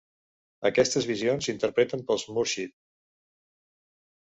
Aquestes visions s'interpreten pels "murshid".